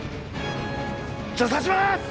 じゃあさします！